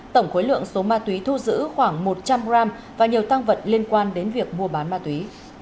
tổng khối lượng số ma túy thu giữ khoảng một trăm linh g và nhiều tăng vật liên quan đến việc mua bán ma túy